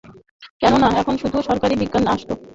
কেননা, তখন শুধু সরকারি বিজ্ঞাপন আসত, কিন্তু এখন সেই অবস্থা নেই।